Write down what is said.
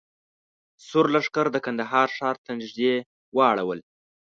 سور لښکر د کندهار ښار ته نږدې واړول.